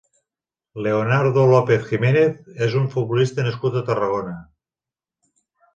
Leonardo López Jiménez és un futbolista nascut a Tarragona.